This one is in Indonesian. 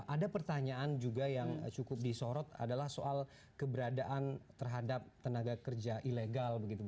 ada pertanyaan juga yang cukup disorot adalah soal keberadaan terhadap tenaga kerja ilegal begitu